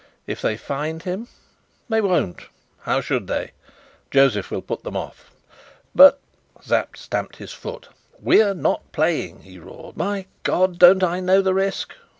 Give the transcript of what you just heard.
"If they find him?" "They won't. How should they? Josef will put them off." "But " Sapt stamped his foot. "We're not playing," he roared. "My God! don't I know the risk?